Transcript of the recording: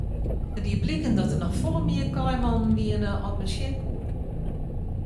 It die bliken dat der noch folle mear kaaimannen wiene as men sjen koe.